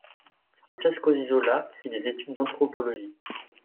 Francesco Zizola fit des études d'anthropologie.